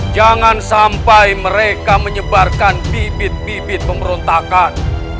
jangan sampai mereka menyebarkan bibit bibit pemberontakan